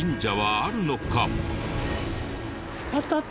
あった。